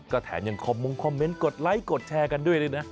ก็แถมยังคอมมงคอมเมนต์กดไลค์กดแชร์กันด้วยเลยนะ